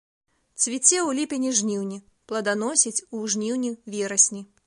Цвіце ў ліпені-жніўні, пладаносіць у жніўні-верасні.